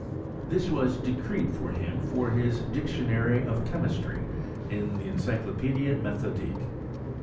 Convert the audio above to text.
This was ■ decreed him for his Dictionary of Chemistry, in the* Encyclopedic Methodique.